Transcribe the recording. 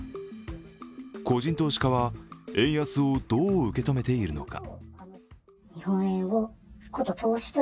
個人投資家は円安をどう受け止めているのか。